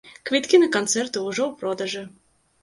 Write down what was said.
Квіткі на канцэрты ўжо ў продажы.